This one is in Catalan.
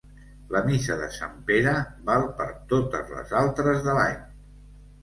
La missa de Sant Pere val per totes les altres de l'any.